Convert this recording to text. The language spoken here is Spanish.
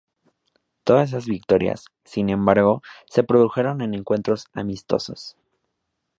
Todas esas victorias, sin embargo, se produjeron en encuentros amistosos.